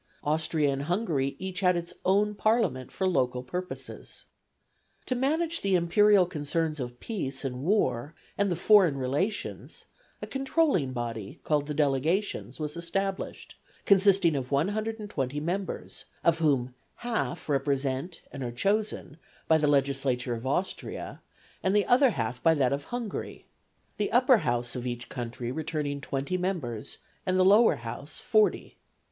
Austria and Hungary each had its own Parliament for local purposes. To manage the imperial concerns of peace and war, and the foreign relations, a controlling body, called the Delegations, was established, consisting of 120 members, of whom half represent and are chosen by the Legislature of Austria, and the other half by that of Hungary; the Upper House of each country returning twenty members, and the Lower House forty.